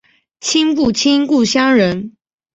亲不亲故乡人